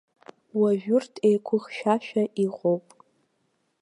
Уажә урҭ еиқәыхьшәашәа иҟоуп.